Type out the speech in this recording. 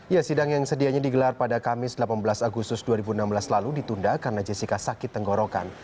ya sidang yang sedianya digelar pada kamis delapan belas agustus dua ribu enam belas lalu ditunda karena jessica sakit tenggorokan